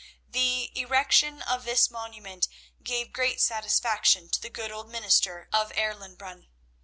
_" The erection of this monument gave great satisfaction to the good old minister of Erlenbrunn.